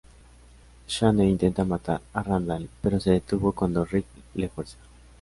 Shane intenta matar a Randall, pero se detuvo cuando Rick le fuerza.